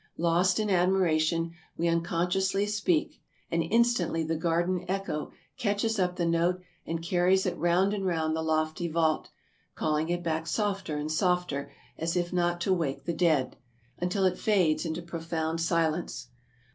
Lost in admiration, we unconsciously speak, and instantly the guardian Echo catches up the note and carries it round and round the lofty vault, calling it back softer and softer, as if not to wake the dead, until it fades into profound silence.